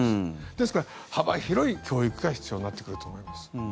ですから、幅広い教育が必要になってくると思います。